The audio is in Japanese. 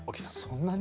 そんなに？